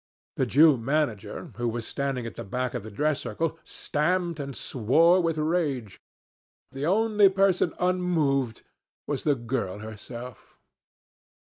The Jew manager, who was standing at the back of the dress circle, stamped and swore with rage. The only person unmoved was the girl herself.